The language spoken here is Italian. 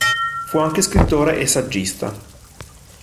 Fu anche scrittore e saggista.